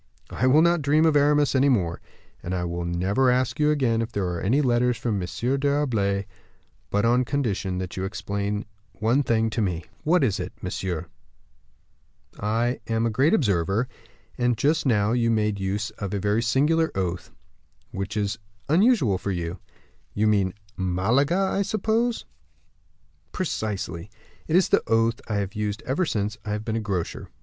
"I will not dream of Aramis any more; and I will never ask you again if there are any letters from M. d'Herblay; but on condition that you explain one thing to me." "Tell me what it is, monsieur?" "I am a great observer; and just now you made use of a very singular oath, which is unusual for you." "You mean Malaga! I suppose?" "Precisely." "It is the oath I have used ever since I have been a grocer."